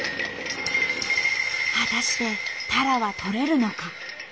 果たしてタラはとれるのか。